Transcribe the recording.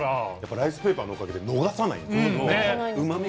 ライスペーパーのおかげで逃さないんです。